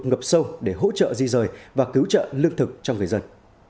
những khu vực ngập sâu để hỗ trợ di rời và cứu trợ lương thực cho người dân